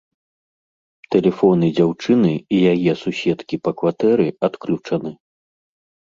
Тэлефоны дзяўчыны і яе суседкі па кватэры адключаны.